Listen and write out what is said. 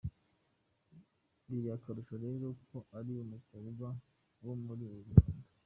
Biri akarusho rero iyo ari umukobwa wo muri uru Rwanda.